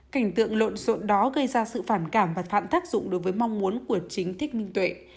cảnh tượng lộn xộn đó gây ra sự phản cảm và phản tác dụng đối với mong muốn của chính thích minh tuệ